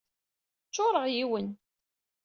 Ccuṛeɣ yiwen.